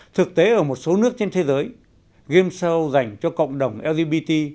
thực tế ở một số nước trên thế giới game show dành cho cộng đồng lgbt